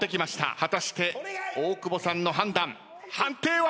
果たして大久保さんの判断判定は？